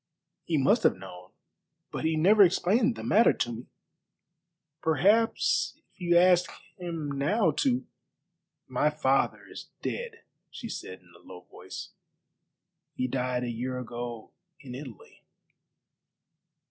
"He must have known, but he never explained the matter to me." "Perhaps if you asked him now to " "My father is dead," she said in a low voice; "he died a year ago in Italy."